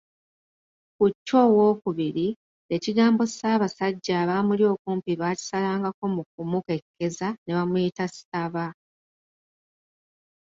Ku Chwa II, ekigambo Ssaabasajja abaamuli okumpi baakisalangako mu kumukekkeza ne bamuyita Ssaba.